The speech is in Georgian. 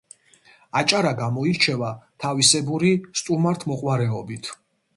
აჭარა გამოირჩევა თავისებური სტუმართმოყვარეობით